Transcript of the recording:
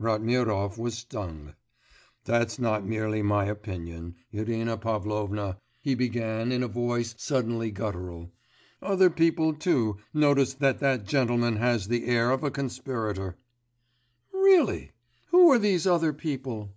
Ratmirov was stung. 'That's not merely my opinion, Irina Pavlovna,' he began in a voice suddenly guttural; 'other people too notice that that gentleman has the air of a conspirator.' 'Really? who are these other people?